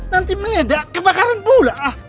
nanti meledak kebakaran pula